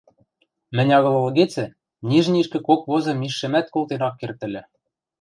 Мӹнь агыл ылгецӹ, Нижнийӹшкӹ кок возы мижшӹмӓт колтен ак керд ыльы.